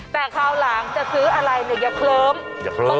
แต่คราวหลังจะซื้ออะไรเนี่ยอย่าเคลิ้มอย่าเคลิ้ม